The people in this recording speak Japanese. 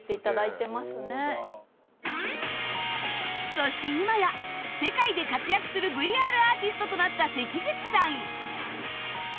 そして今や世界で活躍する ＶＲ アーティストとなったせきぐちさん